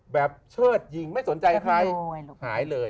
เชิดยิงไม่สนใจใครหายเลย